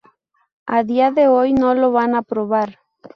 A día de hoy no lo van a aprobar.